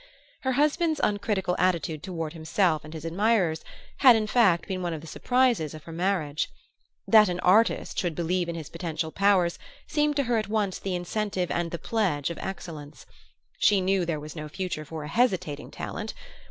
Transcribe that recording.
Her husband's uncritical attitude toward himself and his admirers had in fact been one of the surprises of her marriage. That an artist should believe in his potential powers seemed to her at once the incentive and the pledge of excellence: she knew there was no future for a hesitating talent.